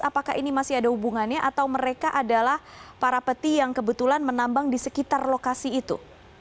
apakah ini masih ada hubungannya atau mereka adalah para peti yang kebetulan menambang di sekitar lokasi itu